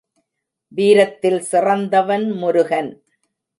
வீரத்தில் சிறந்தவன் முருகன்.